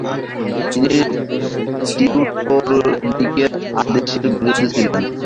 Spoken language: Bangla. তিনি টিউটরনিকের আদেশের বিরুদ্ধে ছিলেন।